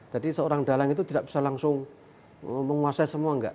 jadi seorang dalang itu tidak bisa langsung menguasai semua enggak